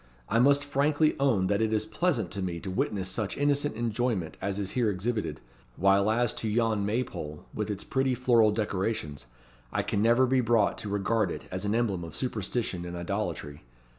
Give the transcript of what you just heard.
I must frankly own that it is pleasant to me to witness such innocent enjoyment as is here exhibited; while as to yon May pole, with its pretty floral decorations, I can never be brought to regard it as an emblem of superstition and idolatry.